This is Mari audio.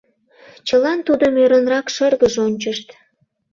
Чылан тудым ӧрынрак шыргыж ончышт.